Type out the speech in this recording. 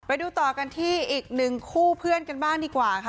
ไปดูต่อกันที่อีกหนึ่งคู่เพื่อนกันบ้างดีกว่าค่ะ